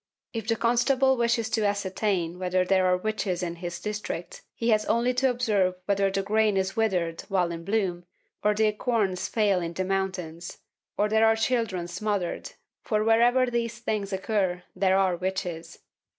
If the constable wishes to ascertain whether there are witches in his district, he has only to observe whether the grain is withered while in bloom, or the acorns fail in the mountains, or there are children smothered, for wherever these things occur, there are witches.